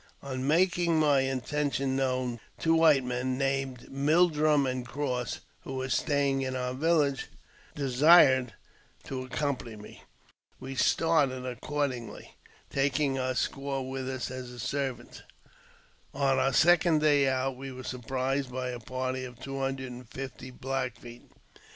On making my intention known, two white mei named Mildrum and Cross, who were staying in our village,' desired to accompany me. We started accordingly, taking one squaw with us as servant. On our second day out, w^l were surprised by a party of two hundred and fifty Black < Feet.